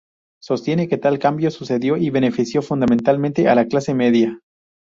Sostiene que tal cambio sucedió y benefició fundamentalmente a la clase media.